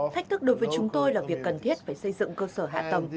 thách thức đối với chúng tôi là việc cần thiết phải xây dựng cơ sở hạ tầng